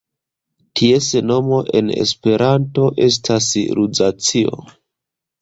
Ties nomo en Esperanto estas Luzacio.